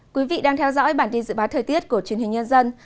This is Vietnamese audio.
quý vị đang theo dõi bản tin dự báo thời tiết của truyền hình nhân dân